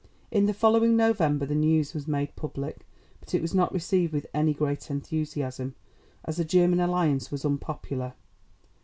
In the following November the news was made public, but it was not received with any great enthusiasm, as a German alliance was unpopular.